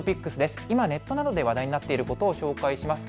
今、ネットなどで話題になっていることを紹介します。